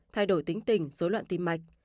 thay đổi tính tình dối loạn tim mạch